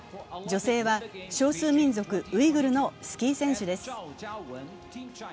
女性は少数民族ウイグルのスキー選手です。